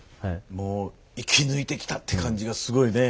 もう生き抜いてきたって感じがすごいね。